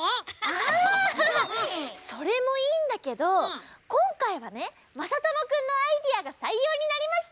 あ！それもいいんだけどこんかいはねまさともくんのアイデアがさいようになりました。